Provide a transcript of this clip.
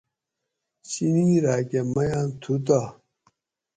چینی راۤکہ میاۤن تُھو تہ